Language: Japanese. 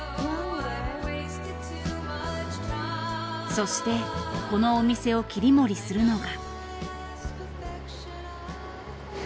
そしてこのお店を切り盛りするのが。